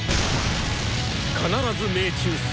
必ず命中する。